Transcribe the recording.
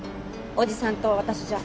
おじさんと私じゃ。